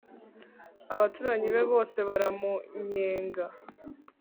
abaturanyi be bose baramunnyega